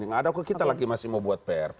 nggak ada kok kita lagi masih mau buat pr